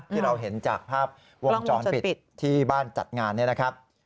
ที่เราเห็นจากภาพวงจรปิดที่บ้านจัดงานเนี่ยนะครับ